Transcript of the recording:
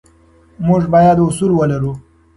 موږ باید اصول ولرو.